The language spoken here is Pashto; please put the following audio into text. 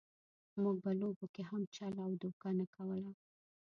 موږ په لوبو کې هم چل او دوکه نه کوله.